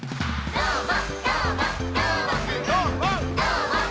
どーも！